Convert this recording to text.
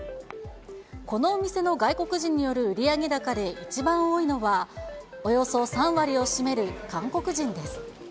この店の外国人による売上高で一番多いのは、およそ３割を占める韓国人です。